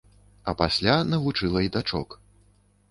А пасля навучыла і дачок.